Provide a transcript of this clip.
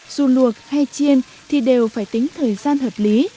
dù luộc hay chiên thì đều phải tính thời gian hợp lý